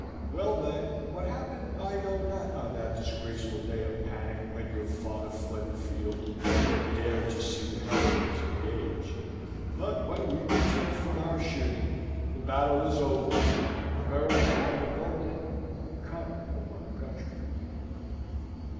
Well, then, what happened I know not on that disgraceful day of panic when your father fled the field, nor dared to see the heroines engage; but when we returned from our shooting, the battle was over. America had revolted, and conquered the mother country.